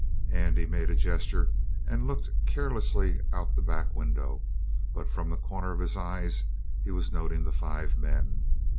Andrew made a gesture and looked carelessly out the back window, but, from the corner of his eyes, he was noting the five men.